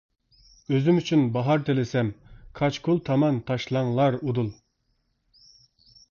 ئۆزۈم ئۈچۈن باھار تىلىسەم، كاچكۇل تامان تاشلاڭلار ئۇدۇل.